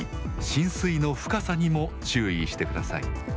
浸水の深さにも注意してください。